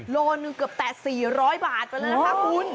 โลนเกือบแต่๔๐๐บาทไปแล้วนะครับคุณ